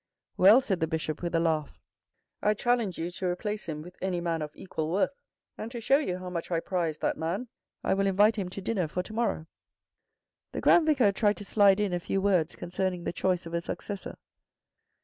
11 Well," said the Bishop with a laugh. " I challenge you to replace him with any man of equal worth, and to show you how much I prize that man, I will invite him to dinner for to morrow." The Grand Vicar tried to slide in a few words concerning the choice of a successor.